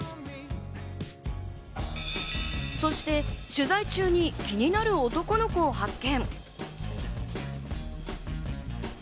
そして取材中に気になる男の子を発見。